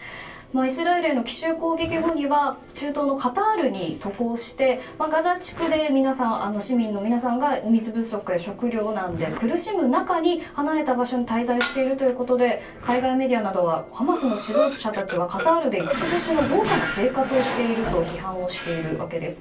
イスラエルへの奇襲攻撃後には中東のカタールに渡航してガザ地区で、市民の皆さんが水や食料不足で苦しむ中離れた場所に滞在しているということで海外メディアなどはハマスの指導者たちはカタールで五つ星の豪華な生活をしていると批判しているわけです。